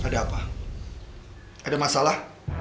ada apa ada masalah